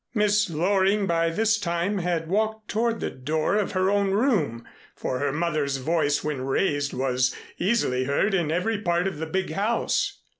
Miss Loring by this time had walked toward the door of her own room, for her mother's voice when raised, was easily heard in every part of the big house.